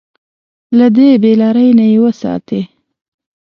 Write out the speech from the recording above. له دې بې لارۍ نه يې وساتي.